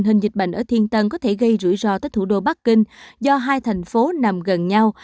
hình dịch bệnh ở thiên tân có thể gây rủi ro tới thủ đô bắc kinh do hai thành phố nằm gần nhau